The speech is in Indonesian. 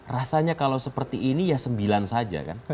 rasanya kalau seperti ini ya sembilan saja kan